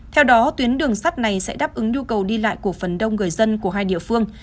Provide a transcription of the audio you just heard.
theo đó tuyến đường sắt này sẽ đáp ứng nhu cầu đi lại của phần đông người dân của hai địa phương